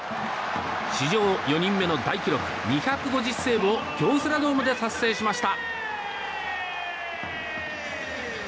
史上４人目の大記録２５０セーブを京セラドームで達成しました。